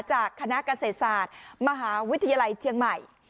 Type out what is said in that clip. จากคณะกระเศษาทมหาวิทยาลัยเชียงใหม่